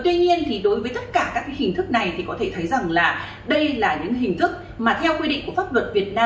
tuy nhiên thì đối với tất cả các hình thức này thì có thể thấy rằng là đây là những hình thức mà theo quy định của pháp luật việt nam